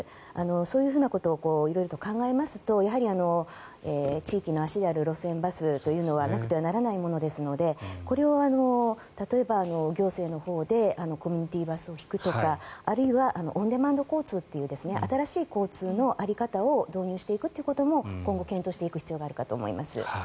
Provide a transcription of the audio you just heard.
そういうことを色々考えますとやはり、地域の足である路線バスというものはなくてはならないものですのでこれを例えば、行政のほうでコミュニティーバスを引くとかあるいはオンデマンド交通という新しい交通の在り方を導入していくことも今後検討していく必要があるかと思います。